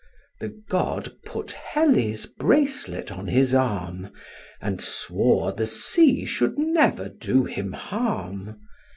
The god put Helle's bracelet on his arm, And swore the sea should never do him harm.